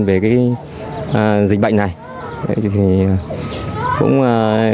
về dịch bệnh này